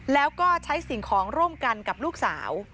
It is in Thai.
แล้วก็ใช้สิ่งของร่วมกันกับลูกสาว